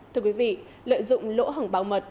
thưa quý vị lợi dụng lỗ hỏng báo mật